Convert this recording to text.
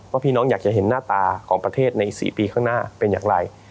พี่น้องอยากจะเห็นหน้าตาของประเทศใน๔ปีข้างหน้าเป็นอย่างไร